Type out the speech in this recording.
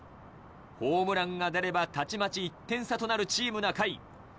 ホームランが出ればたちまち１点差となるチーム中居。